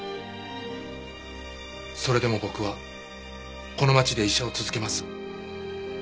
それでも僕はこの町で医者を続けます。